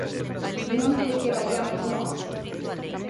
Non de que vaiamos nós.